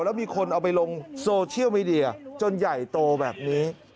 แล้วมีคนเอาไปลงโซเชียลมีเดียจนใหญ่โตแบบนี้